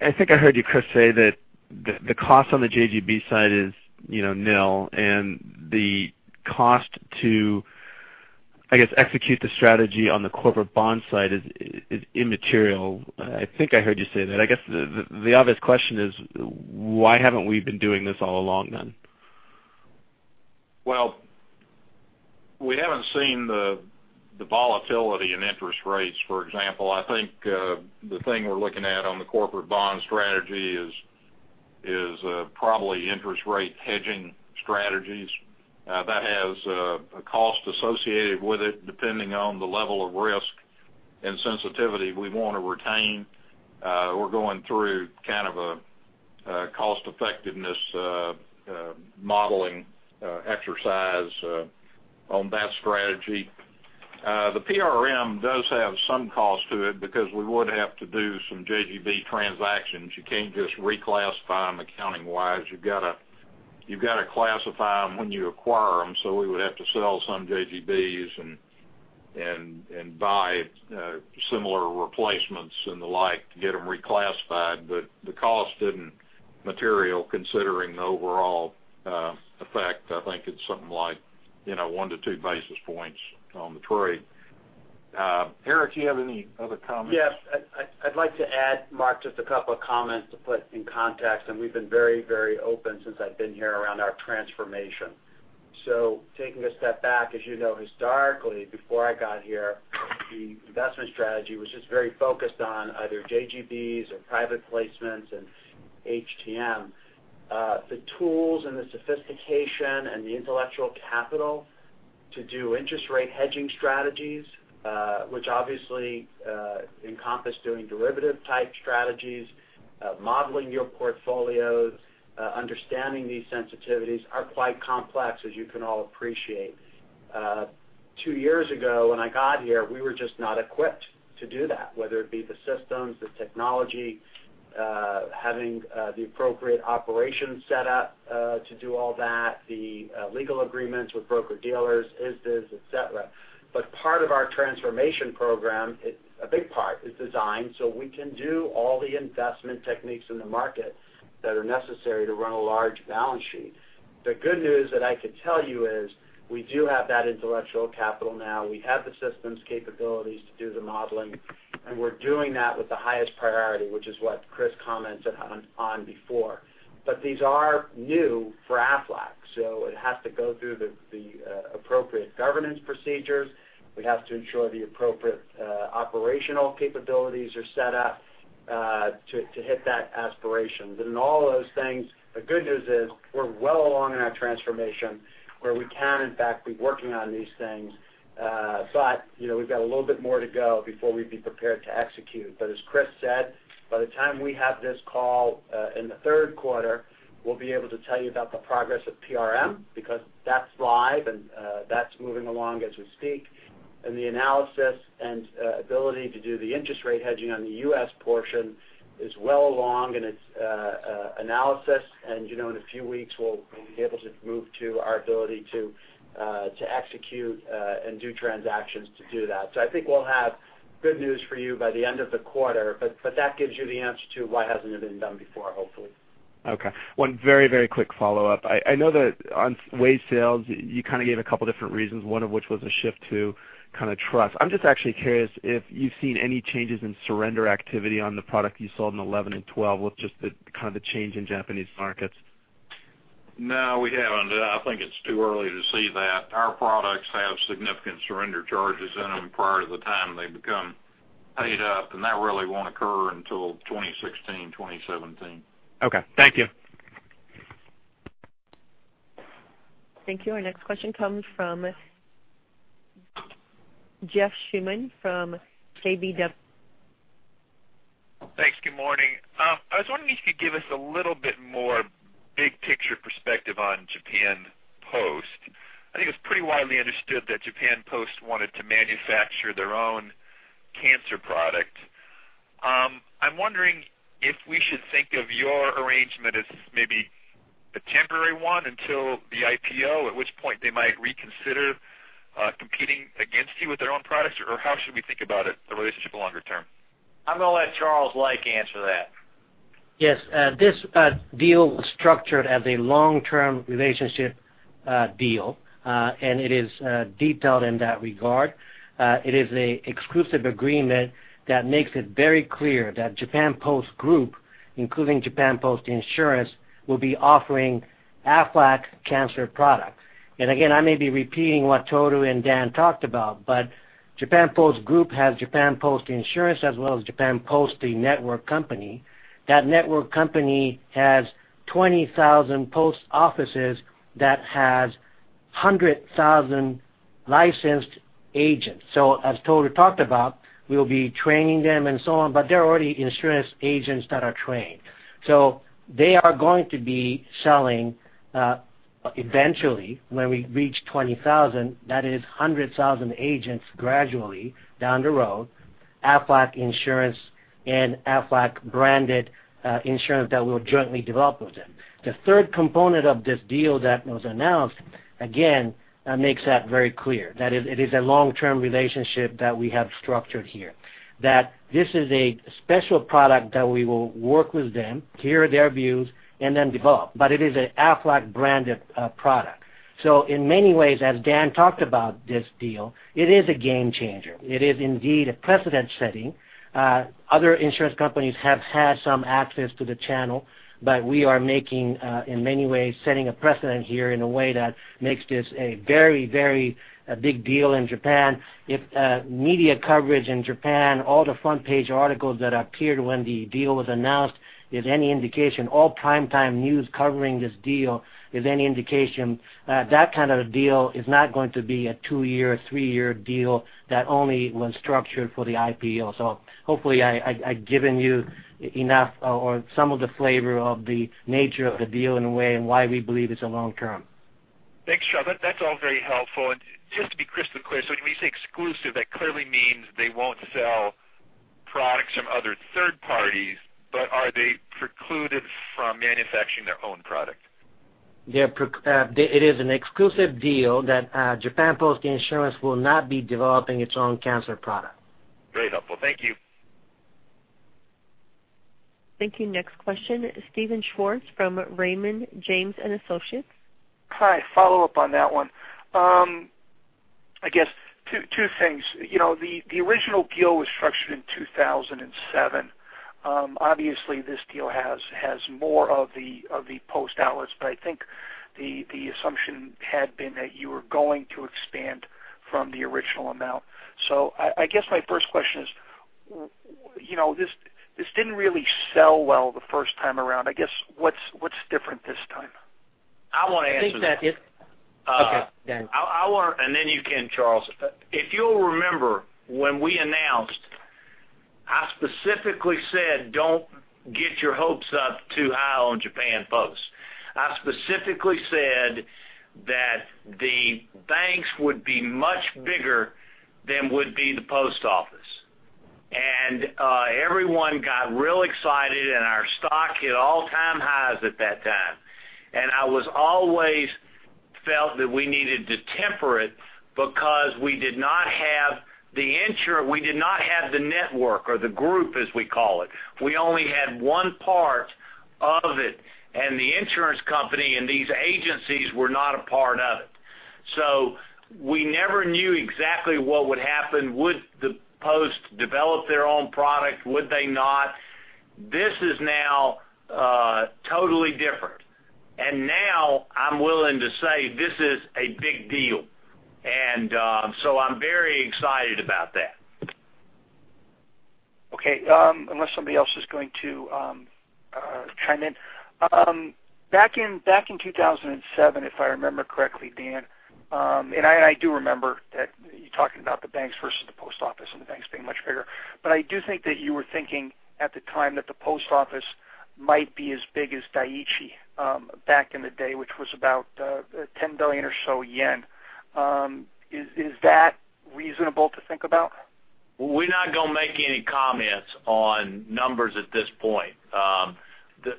I think I heard you, Kriss, say that the cost on the JGB side is nil and the cost to, I guess, execute the strategy on the corporate bond side is immaterial. I think I heard you say that. I guess the obvious question is, why haven't we been doing this all along then? Well, we haven't seen the volatility in interest rates, for example. I think the thing we're looking at on the corporate bond strategy is probably interest rate hedging strategies. That has a cost associated with it, depending on the level of risk and sensitivity we want to retain. We're going through kind of a cost effectiveness modeling exercise on that strategy. The PRM does have some cost to it because we would have to do some JGB transactions. You can't just reclassify them accounting-wise. You've got to classify them when you acquire them, so we would have to sell some JGBs and buy similar replacements and the like to get them reclassified. The cost isn't material considering the overall effect. I think it's something like one to two basis points on the trade. Eric, do you have any other comments? Yes. I'd like to add, Mark, just a couple of comments to put in context. We've been very open since I've been here around our transformation. Taking a step back, as you know, historically, before I got here, the investment strategy was just very focused on either JGBs or private placements and HTM. The tools and the sophistication and the intellectual capital to do interest rate hedging strategies, which obviously encompass doing derivative type strategies, modeling your portfolios, understanding these sensitivities are quite complex as you can all appreciate. Two years ago, when I got here, we were just not equipped to do that, whether it be the systems, the technology, having the appropriate operations set up to do all that, the legal agreements with broker dealers, et cetera. Part of our transformation program, a big part, is designed so we can do all the investment techniques in the market that are necessary to run a large balance sheet. The good news that I could tell you is we do have that intellectual capital now. We have the systems capabilities to do the modeling, and we're doing that with the highest priority, which is what Kriss commented on before. These are new for Aflac, so it has to go through the appropriate governance procedures. We have to ensure the appropriate operational capabilities are set up to hit that aspiration. In all of those things, the good news is we're well along in our transformation where we can, in fact, be working on these things. We've got a little bit more to go before we'd be prepared to execute. As Kriss said, by the time we have this call in the third quarter, we'll be able to tell you about the progress of PRM because that's live and that's moving along as we speak. The analysis and ability to do the interest rate hedging on the U.S. portion is well along in its analysis, and in a few weeks, we'll be able to move to our ability to execute and do transactions to do that. I think we'll have good news for you by the end of the quarter, but that gives you the answer to why hasn't it been done before, hopefully. Okay. One very quick follow-up. I know that on WAYS sales, you kind of gave a couple different reasons, one of which was a shift to kind of trust. I'm just actually curious if you've seen any changes in surrender activity on the product you sold in 2011 and 2012 with just the kind of the change in Japanese markets. No, we haven't. I think it's too early to see that. Our products have significant surrender charges in them prior to the time they become paid up, and that really won't occur until 2016, 2017. Okay. Thank you. Thank you. Our next question comes from Jeff Schuman from KBW. Thanks. Good morning. I was wondering if you could give us a little bit more big picture perspective on Japan Post. I think it's pretty widely understood that Japan Post wanted to manufacture their own cancer product. I'm wondering if we should think of your arrangement as maybe a temporary one until the IPO, at which point they might reconsider competing against you with their own products, or how should we think about it, the relationship longer term? I'm going to let Charles Lake answer that. Yes. This deal was structured as a long-term relationship deal, it is detailed in that regard. It is an exclusive agreement that makes it very clear that Japan Post Group, including Japan Post Insurance, will be offering Aflac cancer product. Again, I may be repeating what Tohru and Dan talked about, but Japan Post Group has Japan Post Insurance as well as Japan Post, the Network Company. The Network Company has 20,000 post offices that has 100,000 licensed agents. As Tohru talked about, we'll be training them and so on, but they're already insurance agents that are trained. They are going to be selling, eventually, when we reach 20,000, that is 100,000 agents gradually down the road, Aflac insurance and Aflac branded insurance that we'll jointly develop with them. The third component of this deal that was announced, again, makes that very clear. It is a long-term relationship that we have structured here. This is a special product that we will work with them, hear their views, and then develop, but it is an Aflac branded product. In many ways, as Dan talked about this deal, it is a game changer. It is indeed a precedent setting. Other insurance companies have had some access to the channel, but we are making, in many ways, setting a precedent here in a way that makes this a very big deal in Japan. If media coverage in Japan, all the front page articles that appeared when the deal was announced is any indication, all primetime news covering this deal is any indication, that kind of a deal is not going to be a two-year, three-year deal that only was structured for the IPO. Hopefully I've given you enough or some of the flavor of the nature of the deal in a way and why we believe it's a long term. Thanks, Charles. That's all very helpful. Just to be crystal clear, when you say exclusive, that clearly means they won't sell some other third parties, but are they precluded from manufacturing their own product? It is an exclusive deal that Japan Post Insurance will not be developing its own cancer product. Very helpful. Thank you. Thank you. Next question, Steven Schwartz from Raymond James & Associates. Hi. Follow-up on that one. I guess two things. The original deal was structured in 2007. Obviously, this deal has more of the post outlets, but I think the assumption had been that you were going to expand from the original amount. I guess my first question is, this didn't really sell well the first time around. I guess, what's different this time? I want to answer that. Please, Dan, yes. Okay, Dan. Then you can, Charles. If you'll remember, when we announced, I specifically said, "Don't get your hopes up too high on Japan Post." I specifically said that the banks would be much bigger than would be the post office. Everyone got real excited, and our stock hit all-time highs at that time. I was always felt that we needed to temper it because we did not have the network or the group, as we call it. We only had one part of it, and the insurance company and these agencies were not a part of it. We never knew exactly what would happen. Would the post develop their own product? Would they not? This is now totally different. Now I'm willing to say this is a big deal, and so I'm very excited about that. Okay. Unless somebody else is going to chime in. Back in 2007, if I remember correctly, Dan, I do remember that you talking about the banks versus the post office and the banks being much bigger. I do think that you were thinking at the time that the post office might be as big as Dai-ichi back in the day, which was about 10 billion or so. Is that reasonable to think about? We're not going to make any comments on numbers at this point.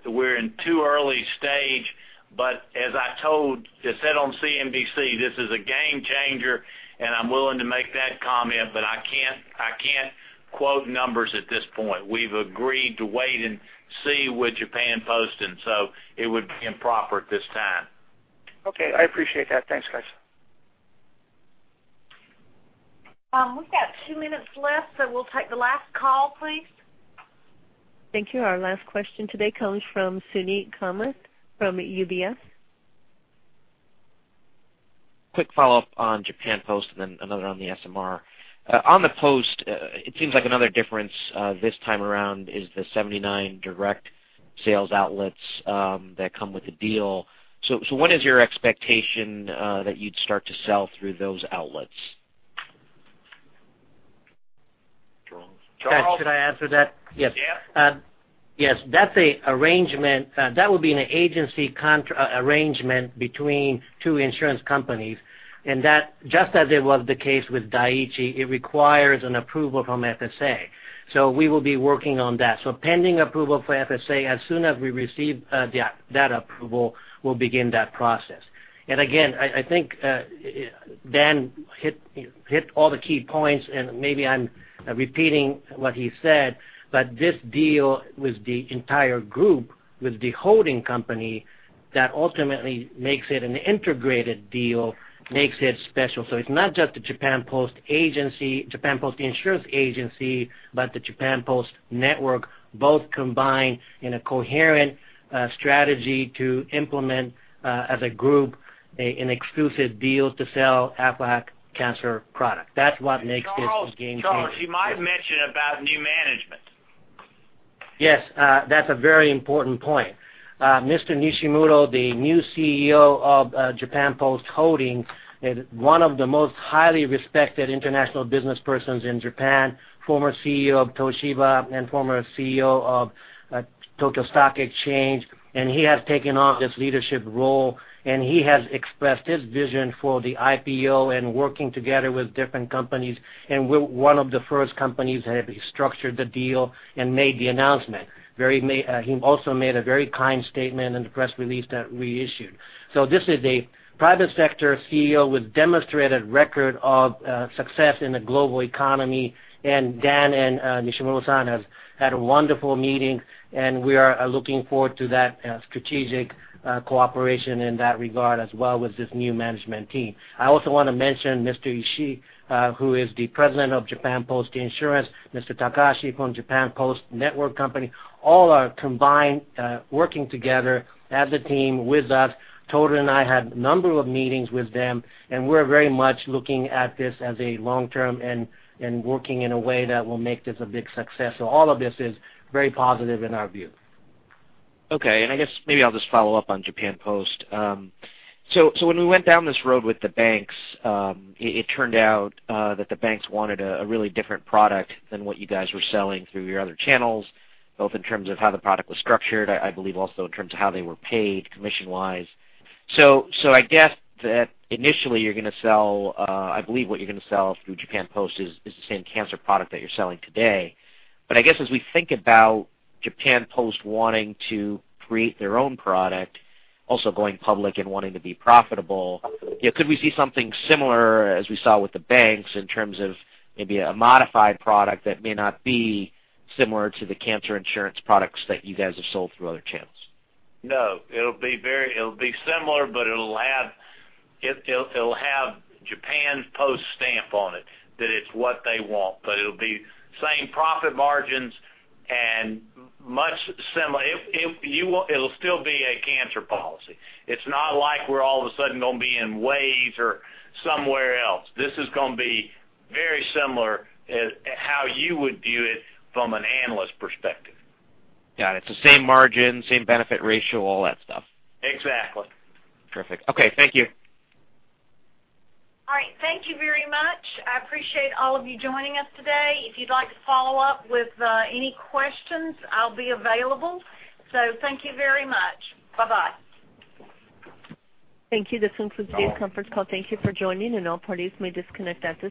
We're in too early stage, but as I said on CNBC, this is a game changer, and I'm willing to make that comment, but I can't quote numbers at this point. We've agreed to wait and see with Japan Post, and so it would be improper at this time. Okay, I appreciate that. Thanks, guys. We've got two minutes left, so we'll take the last call, please. Thank you. Our last question today comes from Suneet Kamath from UBS. Quick follow-up on Japan Post, then another on the SMR. On the Post, it seems like another difference this time around is the 79 direct sales outlets that come with the deal. What is your expectation that you'd start to sell through those outlets? Charles? Should I answer that? Yes. Dan? Yes. That would be an agency arrangement between two insurance companies, just as it was the case with Dai-ichi, it requires an approval from FSA. We will be working on that. Pending approval for FSA, as soon as we receive that approval, we'll begin that process. Again, I think Dan hit all the key points, maybe I'm repeating what he said, this deal with the entire group, with the holding company, that ultimately makes it an integrated deal, makes it special. It's not just the Japan Post Insurance Agency, but the Japan Post Network both combined in a coherent strategy to implement as a group an exclusive deal to sell Aflac cancer product. That's what makes this a game changer. Charles, you might mention about new management. Yes. That's a very important point. Mr. Nishimuro, the new CEO of Japan Post Holdings, is one of the most highly respected international businesspersons in Japan, former CEO of Toshiba and former CEO of Tokyo Stock Exchange. He has taken on this leadership role, and he has expressed his vision for the IPO and working together with different companies. We're one of the first companies that have structured the deal and made the announcement. He also made a very kind statement in the press release that we issued. This is a private sector CEO with demonstrated record of success in the global economy, and Dan and Nishimuro-san have had a wonderful meeting, and we are looking forward to that strategic cooperation in that regard as well with this new management team. I also want to mention Mr. Ishii, who is the president of Japan Post Insurance, Mr. Takahashi from Japan Post Network Company. All are combined, working together as a team with us. Tohru and I had a number of meetings with them, and we're very much looking at this as a long-term and working in a way that will make this a big success. All of this is very positive in our view. Okay. I guess maybe I'll just follow up on Japan Post. When we went down this road with the banks, it turned out that the banks wanted a really different product than what you guys were selling through your other channels, both in terms of how the product was structured, I believe also in terms of how they were paid commission-wise. I guess that initially, I believe what you're going to sell through Japan Post is the same cancer product that you're selling today. I guess as we think about Japan Post wanting to create their own product, also going public and wanting to be profitable, could we see something similar as we saw with the banks in terms of maybe a modified product that may not be similar to the cancer insurance products that you guys have sold through other channels? No. It'll be similar, but it'll have Japan Post stamp on it, that it's what they want. It'll be same profit margins and much similar. It'll still be a cancer policy. It's not like we're all of a sudden going to be in WAYS or somewhere else. This is going to be very similar how you would view it from an analyst perspective. Got it. Same margin, same benefit ratio, all that stuff. Exactly. Perfect. Okay. Thank you. All right. Thank you very much. I appreciate all of you joining us today. If you'd like to follow up with any questions, I'll be available. Thank you very much. Bye-bye. Thank you. This concludes today's conference call. Thank you for joining, and all parties may disconnect at this time.